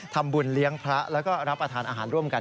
ทำบุญเลี้ยงพระแล้วก็รับประทานอาหารร่วมกัน